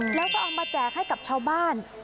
แล้วก็เอามาแจกให้กับชาวบ้าน